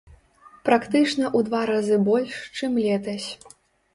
Практычна ў два разы больш, чым летась.